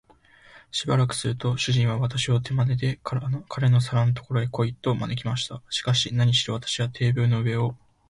しばらくすると、主人は私を手まねで、彼の皿のところへ来い、と招きました。しかし、なにしろ私はテーブルの上を